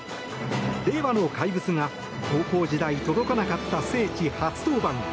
令和の怪物が高校時代届かなかった聖地初登板。